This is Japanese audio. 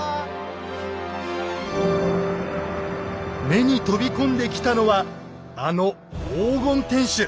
目に飛び込んできたのはあの黄金天守。